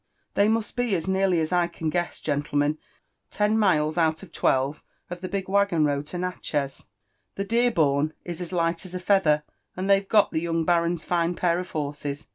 '' They must be, as nearly as I can guess, gentlemen, ten miles out of twelve of the big waggon road to Natchez. The Deerborn is as light as a feather, and they've got the young baron's fine pair of horses."